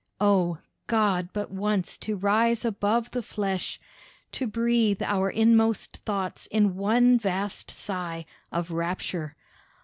Oh! God, but once to rise above the flesh, To breathe our inmost thoughts in one vast sigh Of rapture.